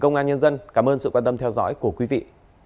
chuyển hình công an nhân dân cảm ơn sự quan tâm theo dõi của quý vị